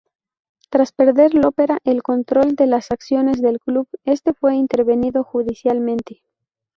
Tras perder Lopera el control de las acciones del club, este fue intervenido judicialmente.